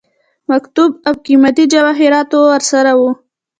مکتوب او قيمتي جواهراتو ورسره وه.